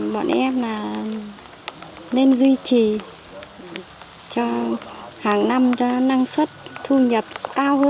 bọn em nên duy trì hàng năm cho năng suất thu nhập cao hơn